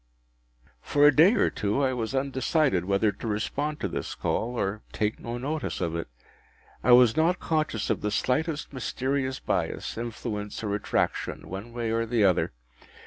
For a day or two I was undecided whether to respond to this call, or take no notice of it. I was not conscious of the slightest mysterious bias, influence, or attraction, one way or other.